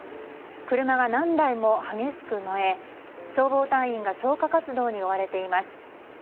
車が何台も激しく燃え消防隊員が消火活動に追われています。